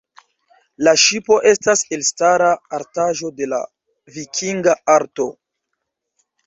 La ŝipo estas elstara artaĵo de la vikinga arto.